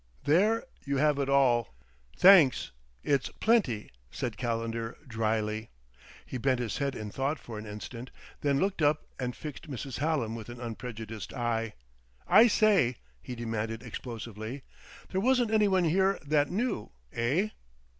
There you have it all." "Thanks it's plenty," said Calendar dryly. He bent his head in thought for an instant, then looked up and fixed Mrs. Hallam with an unprejudiced eye, "I say!" he demanded explosively. "There wasn't any one here that knew eh?"